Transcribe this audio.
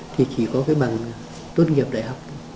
thì chỉ có cái bằng tốt nghiệp đại học